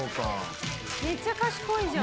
めっちゃ賢いじゃん。